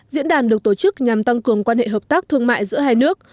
diễn đàn được tổ chức nhằm tăng cường quan hệ hợp tác thương mại giữa hai nước